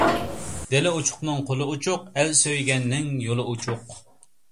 دىلى ئوچۇقنىڭ قولى ئوچۇق، ئەل سۆيگەننىڭ يولى ئوچۇق.